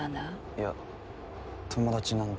いや友達なんで。